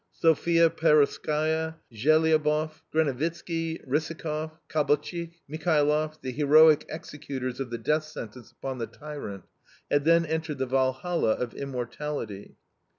Sophia Perovskaia, Zheliabov, Grinevitzky, Rissakov, Kibalchitch, Michailov, the heroic executors of the death sentence upon the tyrant, had then entered the Walhalla of immortality.